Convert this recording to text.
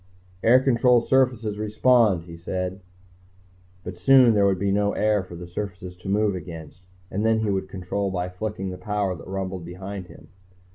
"Air control surfaces respond," he said. But soon there would be no air for the surfaces to move against, and then he would control by flicking the power that rumbled behind him.